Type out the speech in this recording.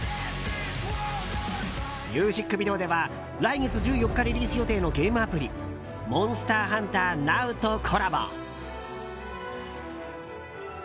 ミュージックビデオでは来月１４日リリース予定のゲームアプリ「ＭｏｎｓｔｅｒＨｕｎｔｅｒＮｏｗ」とコラボ。